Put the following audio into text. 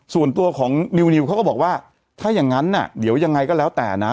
ส่วนตัวของนิวเขาก็บอกว่าถ้าอย่างนั้นน่ะเดี๋ยวยังไงก็แล้วแต่นะ